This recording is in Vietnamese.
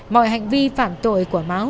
mọi hành vi phạm tội của máu